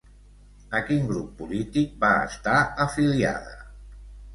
A quin grup polític va estar afiliada?